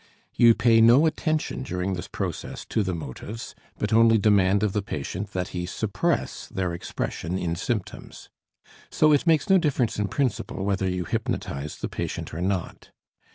You pay no attention during this process to the motives, but only demand of the patient that he suppress their expression in symptoms. So it makes no difference in principle whether you hypnotize the patient or not.